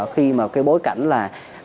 khi mà bối cảnh là